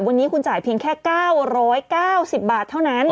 วันนี้คุณจ่ายเพียงแค่๙๙๐บาทเท่านั้น